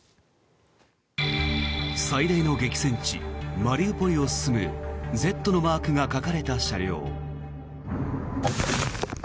最大の激戦地マリウポリを進む「Ｚ」のマークが書かれた車両。